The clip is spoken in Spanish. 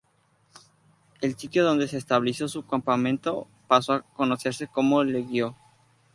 El sitio donde se estableció su campamento pasó a conocerse como Legio.